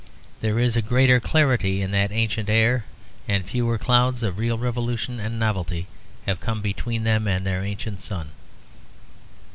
There is a greater clarity in that ancient air; and fewer clouds of real revolution and novelty have come between them and their ancient sun.